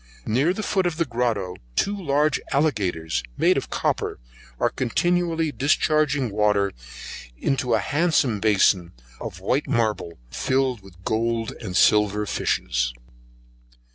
Near the foot of the grotto two large aligators, made of copper, are continually discharging water into a handsome bason of white marble, filled with gold and silver fishes.